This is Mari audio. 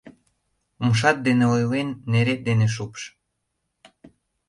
Умшат дене ойлен, нерет дене шупш!